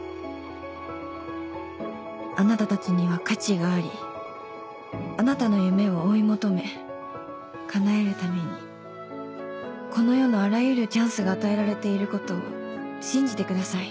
「あなたたちには価値がありあなたの夢を追い求め叶えるためにこの世のあらゆるチャンスが与えられていることを信じてください」